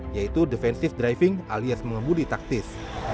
yaitu defensive driving alias mengemudi taktis